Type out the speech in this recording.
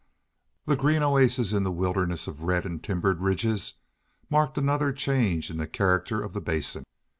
This green oasis in the wilderness of red and timbered ridges marked another change in the character of the Basin.